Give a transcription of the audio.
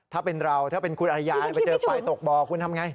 ถ้าเป็นเราถ้าเป็นคุณอริยายไปเจอไฟตกบ่อคุณทำไง